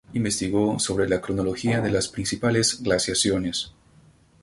Investigó sobre la cronología de las principales glaciaciones.